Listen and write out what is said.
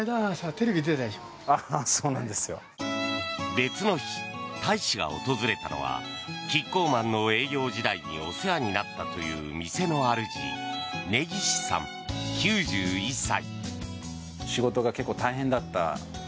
別の日、大使が訪れたのはキッコーマンの営業時代にお世話になったという店の主根岸さん、９１歳。